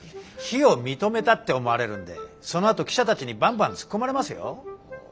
非を認めたって思われるんでそのあと記者たちにバンバン突っ込まれますよ。